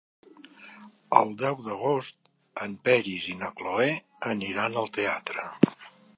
El deu d'agost en Peris i na Cloè aniran al teatre.